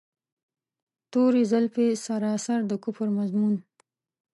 توري زلفې سراسر د کفر مضمون.